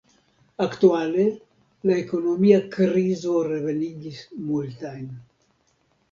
Aktuale, la ekonomia krizo revenigis multajn.